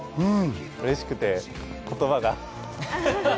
うれしくて言葉が。